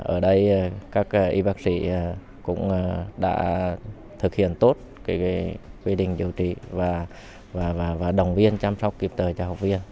ở đây các y bác sĩ cũng đã thực hiện tốt quy định điều trị và đồng viên chăm sóc kịp thời cho học viên